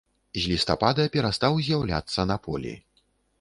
З лістапада перастаў з'яўляцца на полі.